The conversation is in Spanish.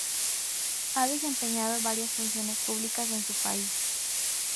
Ha desempeñado varias funciones públicas en su país.